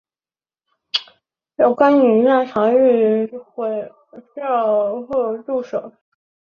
鱼干女嫁唐御侮校尉杜守。